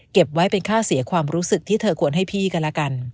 เก็บไว้เป็นค่าเสียความรู้สึกที่เธอควรให้พี่กันแล้วกัน